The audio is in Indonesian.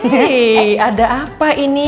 hei ada apa ini